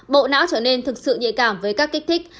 bộ não trở nên thực sự nhạy cảm với các kích thích